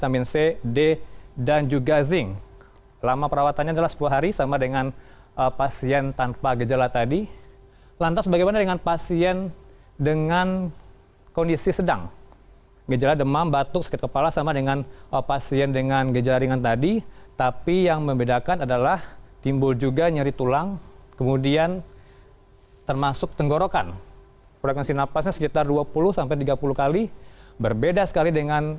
bagaimana menganalisis gejala keluarga atau kerabat yang terjangkit virus covid sembilan belas